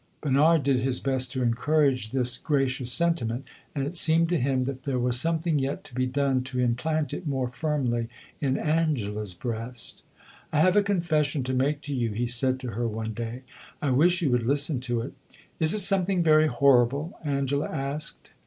Bernard did his best to encourage this gracious sentiment, and it seemed to him that there was something yet to be done to implant it more firmly in Angela's breast. "I have a confession to make to you," he said to her one day. "I wish you would listen to it." "Is it something very horrible?" Angela asked.